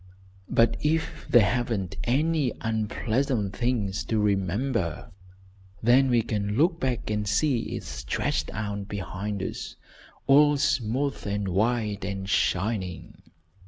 But if there haven't been any unpleasant things to remember, then we can look back and see it stretched out behind us, all smooth and white and shining.